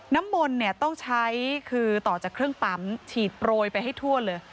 น้ำมนต์เนี่ยต้องใช้คือต่อจากเครื่องปั๊มฉีดโปรยไปให้ทั่วเลย